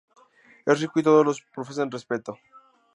Es rico y todos le profesan respeto.